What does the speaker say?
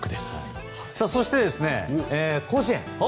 そして、甲子園。